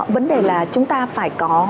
vấn đề là chúng ta phải có